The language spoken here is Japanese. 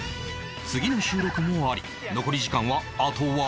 次の収録もあり残り時間はあとわずか